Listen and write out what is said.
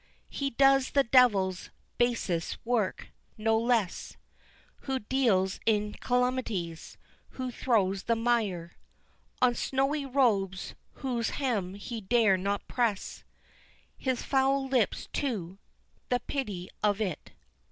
He does the devil's basest work no less Who deals in calumnies who throws the mire On snowy robes whose hem he dare not press His foul lips to. The pity of it!